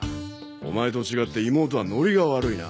オマエと違って妹はノリが悪いな。